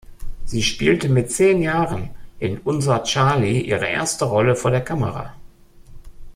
Sie spielte mit zehn Jahren in "Unser Charly" ihre erste Rolle vor der Kamera.